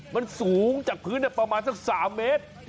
มันสูงจากพื้นประมาณสัก๓เมตร